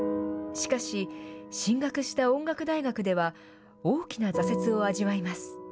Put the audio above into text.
しかし、進学した音楽大学では、大きな挫折を味わいます。